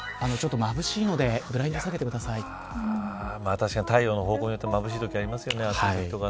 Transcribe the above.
確かに太陽の方向によってまぶしいときってありますよね。